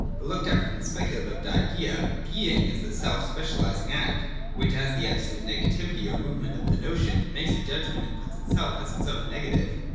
But looked at from the speculative idea, Being is its self specialising act, which as the absolute negativity or movement of the notion makes a judgment and puts itself as its own negative.